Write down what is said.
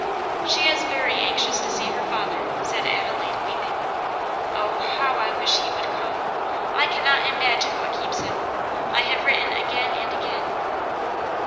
"She is very anxious to see her father," said Adelaide, weeping. "Oh, how I wish he would come! I cannot imagine what keeps him. I have written again and again."